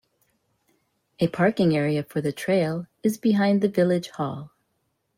A parking area for the trail is behind the Village Hall.